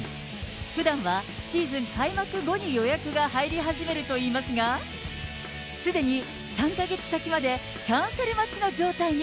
ふだんはシーズン開幕後に予約が入り始めるといいますが、すでに３か月先までキャンセル待ちの状態に。